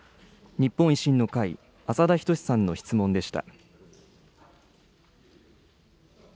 日本維新の会、浅田均さんの質問でした。